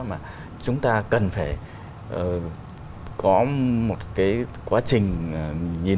mà chúng ta cần phải có một cái quá trình nhìn